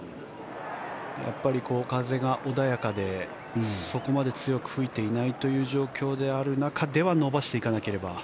やっぱり風が穏やかでそこまで強く吹いていないという状況の中では伸ばしていかなければ。